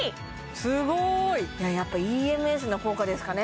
すごいやっぱＥＭＳの効果ですかね